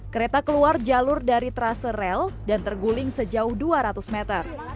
kereta keluar jalur dari trase rel dan terguling sejauh dua ratus meter